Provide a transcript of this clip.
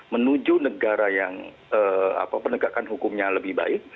menuju negara yang penegakan hukumnya lebih baik